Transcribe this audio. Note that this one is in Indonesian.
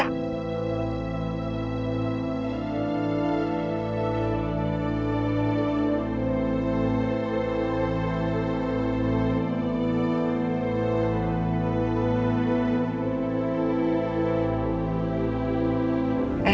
terima kasih tante